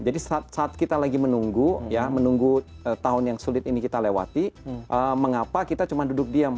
jadi saat kita lagi menunggu ya menunggu tahun yang sulit ini kita lewati mengapa kita cuma duduk diam